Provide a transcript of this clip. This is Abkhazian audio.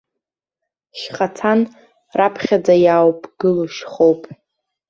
Шьхацан раԥхьаӡа иаауԥгыло шьхоуп.